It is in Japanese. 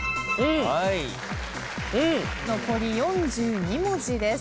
残り４２文字です